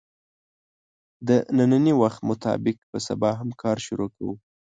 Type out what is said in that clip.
د نني وخت مطابق به سبا هم کار شروع کوو